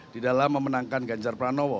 di dalam memenangkan ganjar pranowo